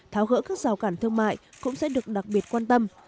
tháo gỡ các rào cản thương mại cũng sẽ được đặc biệt quan tâm